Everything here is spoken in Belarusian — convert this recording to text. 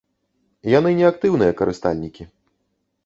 Яны не актыўныя карыстальнікі.